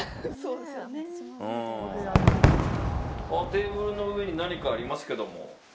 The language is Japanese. テーブルの上に何かありますけども。